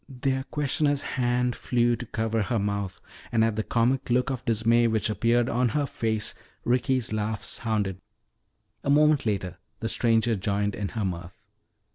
Their questioner's hand flew to cover her mouth, and at the comic look of dismay which appeared on her face, Ricky's laugh sounded. A moment later the stranger joined in her mirth.